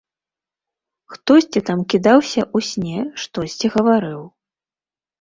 Хтосьці там кідаўся ў сне, штосьці гаварыў.